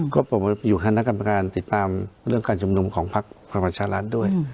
ก็อยู่ข้างหน้ากากการติดตามเรื่องการชำนวมของภาครัชารัฐด้วย